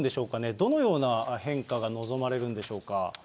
どのような変化が望まれるんでしょうか。